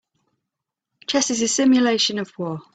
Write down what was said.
Chess is a simulation of war.